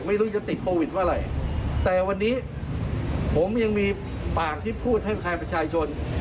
ไม่รู้จะติดโควิดเมื่อไหร่แต่วันนี้ผมยังมีปากที่พูดให้ใครประชาชน